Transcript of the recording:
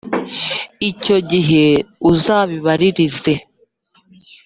icyo gihe uzabibaririze,